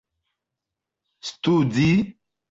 studi